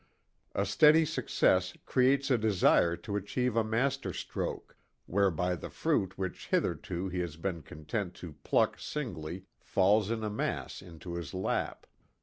A steady success creates a desire to achieve a master stroke, whereby the fruit which hitherto he has been content to pluck singly falls in a mass into his lap.